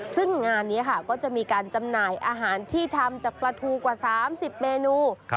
ซึ่งงานนี้ค่ะก็จะมีการจำหน่ายอาหารที่ทำจากปลาทูกว่า๓๐เมนู